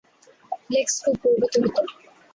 লেক্স খুব গর্বিত হতো।